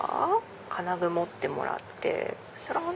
金具持ってもらって。